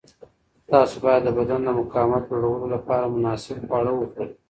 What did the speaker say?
تاسو باید د بدن د مقاومت لوړولو لپاره مناسب خواړه وخورئ.